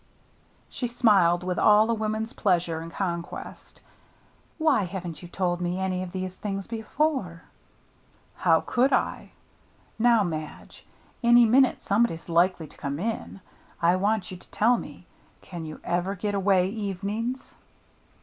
She smiled, with all a woman's pleasure in conquest. " Why haven't you told me any of these things before ?"" How could I ? Now, Madge, any minute somebody's likely to come in. I want you to tell me — can you ever get away evenings?"